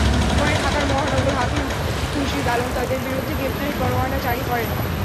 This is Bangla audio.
পরে ঢাকার মহানগর হাকিম খুরশীদ আলম তাঁদের বিরুদ্ধে গ্রেপ্তারি পরোয়ানা জারি করেন।